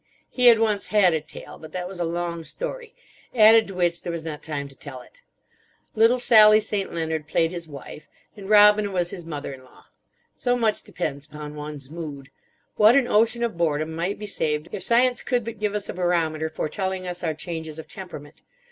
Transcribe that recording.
He had once had a tail. But that was a long story: added to which there was not time to tell it. Little Sally St. Leonard played his wife, and Robina was his mother in law. So much depends upon one's mood. What an ocean of boredom might be saved if science could but give us a barometer foretelling us our changes of temperament!